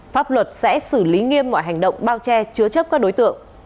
pháp luật sẽ xử lý nghiêm mọi hành động bao che chứa chấp các đối tượng